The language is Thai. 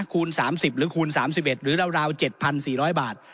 คูณสามสิบหรือคูณสามสิบเอ็ดหรือราวราวเจ็ดพันสี่ร้อยบาท